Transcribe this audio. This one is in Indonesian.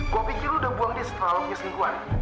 gue pikir lu udah buang dia setelah lo nyusungin gue